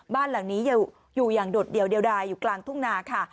บ้านหลังนี้อยู่อย่างโดดเดี่ยวเดียวดายอยู่กลางทุ่งนาค่ะ